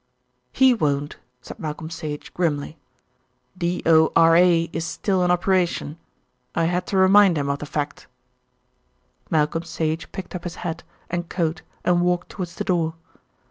"He won't," said Malcolm Sage grimly. "D.O.R.A. is still in operation. I had to remind him of the fact." Malcolm Sage picked up his hat and coat and walked towards the door.